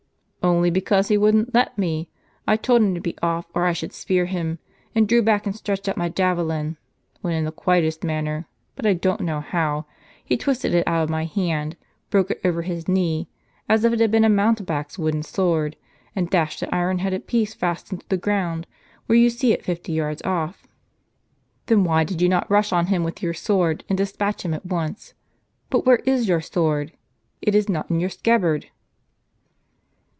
" Only because he wouldn't let me. I told him to be off, or I should spear him, and drew back and stretched out my javelin ; when in the quietest manner, but I don't know how, he twisted it out of my hand, broke it over his knee, as if it had been a mountebank's wooden sword, and dashed the iron headed piece fast into the ground, where you see it, fifty yards off." " Then why did you not rush on him with your sword, and despatch him at once ? But where is your sword ? it is not in your scabbard."